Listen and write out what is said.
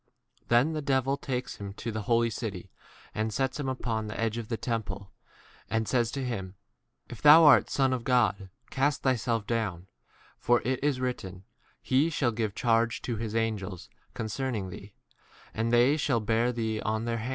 5 Then the devil takes him to the holy city, and sets him upon the 6 edge of the temple,>' and says to him, If thou art Son of God, cast thyself down ; for it is written, He shall give charge to his angels concerning thee, and they shall ' Pointed out,' ' shewn.' p T. R.